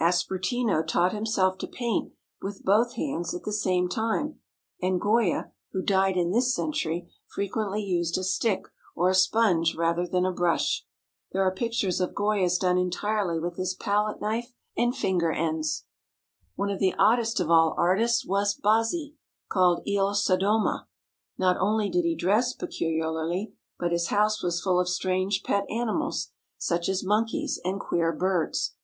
Aspertino taught himself to paint with both hands at the same time; and Goya, who died in this century, frequently used a stick or a sponge rather than a brush. There are pictures of Goya's done entirely with his palette knife and finger ends. One of the oddest of all artists was Bazzi, called Il Soddoma. Not only did he dress peculiarly, but his house was full of strange pet animals, such as monkeys and queer birds.